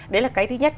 đấy là cái thứ nhất